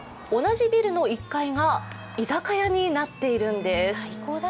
同じビルの１階が居酒屋になっているんです。